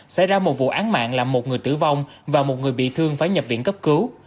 xảy ra một vụ án mạng làm một người tử vong và một người bị thương phải nhập viện cấp cứu